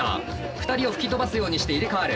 ２人を吹き飛ばすようにして入れ代わる。